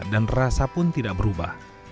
dan rasa pun tidak berubah